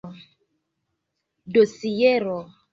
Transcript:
dosiero